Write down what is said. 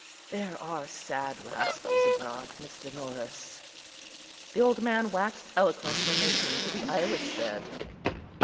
There are sad rascals abroad, Mr. Norris." The old man waxed eloquent when they came to the iris bed.